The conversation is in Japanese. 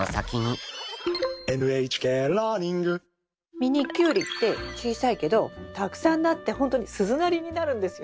ミニキュウリって小さいけどたくさんなってほんとに鈴なりになるんですよ。